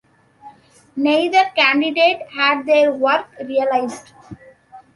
Neither candidate had their work realised.